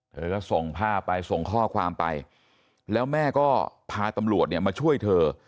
เธอก็ส่งภาพไปส่งข้อความไปแล้วแม่ก็พาตำรวจเนี่ยมาช่วยเธอ